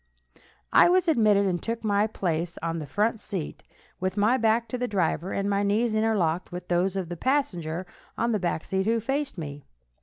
I was admitted, and took my place on the front seat, with my back to the driver, and my knees interlocked with those of the passenger on the back seat who faced me.